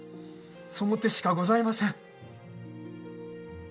その手しかございません。